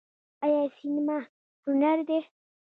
آیا سینما هنر دی؟